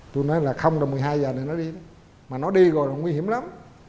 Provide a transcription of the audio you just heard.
tôi nói là không đâu một mươi hai h này nó đi mà nó đi rồi là nguy hiểm lắm